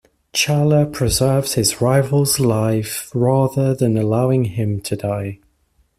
T'Challa preserves his rival's life rather than allowing him to die.